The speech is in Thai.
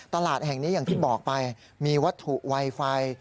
ตลาดแห่งนี้อย่างที่บอกไปมีวัตถุไวไฟ